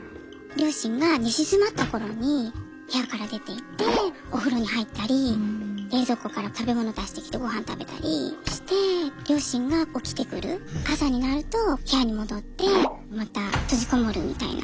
両親が寝静まった頃に部屋から出ていってお風呂に入ったり冷蔵庫から食べ物出してきてごはん食べたりして両親が起きてくる朝になると部屋に戻ってまた閉じこもるみたいな。